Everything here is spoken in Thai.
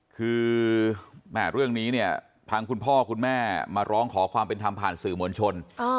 คือแม่เรื่องนี้เนี่ยทางคุณพ่อคุณแม่มาร้องขอความเป็นธรรมผ่านสื่อมวลชน